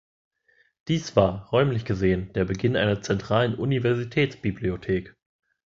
Dies war räumlich gesehen der Beginn einer zentralen Universitätsbibliothek.